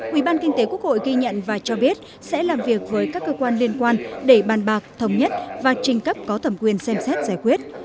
ủy ban kinh tế quốc hội ghi nhận và cho biết sẽ làm việc với các cơ quan liên quan để bàn bạc thống nhất và trình cấp có thẩm quyền xem xét giải quyết